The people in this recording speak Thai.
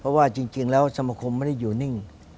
เพราะว่าจริงแล้วสมคมไม่ได้อยู่นิ่ง